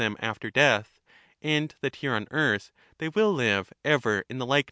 "^^ them after death ; and that here on earth, they will live ever the truth.